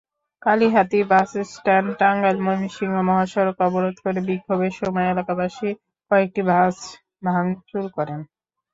কালিহাতী বাসস্ট্যান্ডে টাঙ্গাইল-ময়মনসিংহ মহাসড়ক অবরোধ করে বিক্ষোভের সময় এলাকাবাসী কয়েকটি বাস ভাঙচুর করেন।